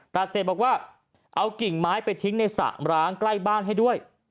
ตัดเสร็จบอกว่าเอากิ่งไม้ไปทิ้งในสระร้างใกล้บ้านให้ด้วย